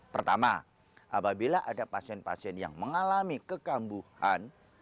pertama apabila ada pasien pasien yang mengalami kekambuhan